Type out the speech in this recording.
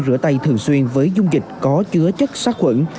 rửa tay thường xuyên với dung dịch có chứa chất sát khuẩn